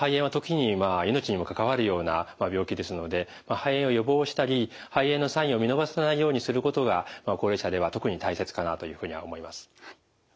肺炎を予防したり肺炎のサインを見逃さないようにすることが高齢者では特に大切かなというふうには思います。